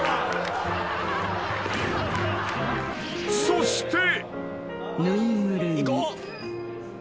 ［そして］